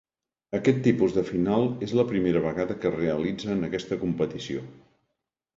Aquest tipus de final és la primera vegada que es realitza en aquesta competició.